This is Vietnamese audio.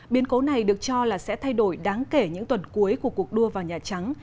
biến cố này được cho là sẽ thay đổi đáng kể những tuần cuối của cuộc đua vào nhà trắng